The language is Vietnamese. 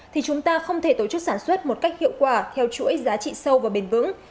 thì chúng ta không thể tổ chức sản xuất một cách hiệu quả theo chuỗi giá trị sâu và bền vững